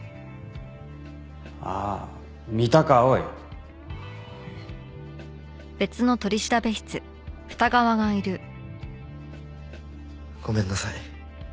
ああ三鷹蒼？ごめんなさい。